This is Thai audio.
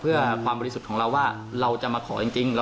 แปลกเอาที่ต้องไหมจะคุยหันด้วย